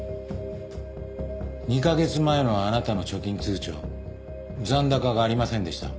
２カ月前のあなたの貯金通帳残高がありませんでした。